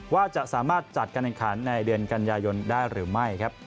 ว่าจะสามารถจัดการแข่งขันในเดือนกันยายนได้หรือไม่ครับ